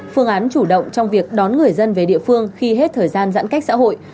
phương án chủ động trong việc đón người dân về địa phương khi hết thời gian giãn cách xã hội